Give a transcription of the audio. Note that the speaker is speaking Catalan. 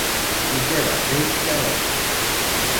I què va fer llavors?